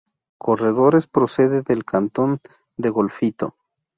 Corredores procede del cantón de Golfito.